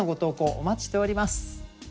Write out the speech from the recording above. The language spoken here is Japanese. お待ちしております。